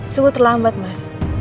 sungguh terlambat mas